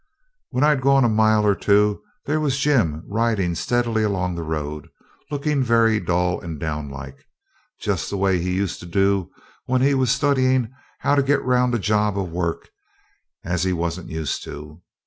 When I'd gone a mile or two there was Jim riding steadily along the road, looking very dull and down like, just the way he used to do when he was studying how to get round a job of work as he wasn't used to.